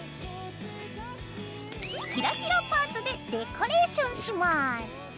キラキラパーツでデコレーションします。